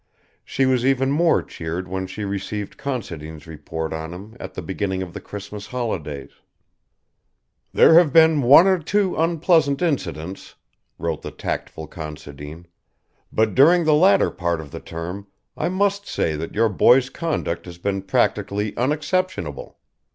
She was even more cheered when she received Considine's report on him at the beginning of the Christmas holidays. "There have been one or two unpleasant incidents," wrote the tactful Considine, "_but during the latter part of the term I must say that your boy's conduct has been practically unexceptionable.